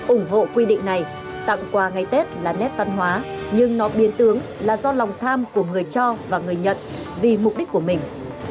ủng hộ quy định này tặng quà ngày tết là nét văn hóa nhưng nó biến tướng là do lòng tham của người cho và người nhận vì mục đích của mình